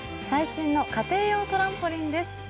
最新の家庭用トランポリンです。